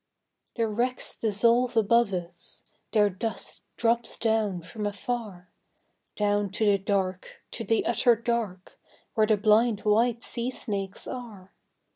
The wrecks dissolve above us; their dust drops down from afar Down to the dark, to the utter dark, where the blind white sea snakes are.